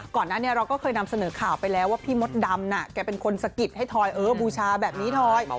ก่อนหน้านี้เราก็เคยนำเสนอข่าวไปแล้วว่าพี่มดดำน่ะแกเป็นคนสะกิดให้ทอยบูชาแบบนี้ทอย